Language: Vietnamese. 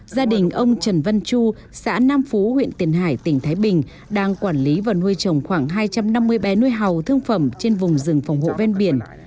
gia đình ông trần văn chu xã nam phú huyện tiền hải tỉnh thái bình đang quản lý và nuôi trồng khoảng hai trăm năm mươi bé nuôi hầu thương phẩm trên vùng rừng phòng hộ ven biển